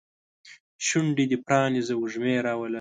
شونډې دې پرانیزه وږمې راوله